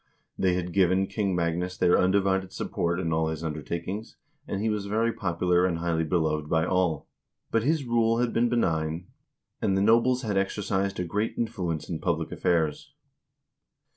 They had given King Magnus their undivided support in all his undertakings, and he was very popular and highly beloved by all. But his rule had been benign, and the nobles had exercised a great influence in public affairs.